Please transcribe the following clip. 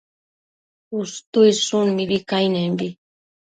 Ushtuidshun mibi cainembi